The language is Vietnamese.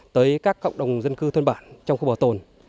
tới các cộng đồng dân cư thôn bản trong khu bảo tồn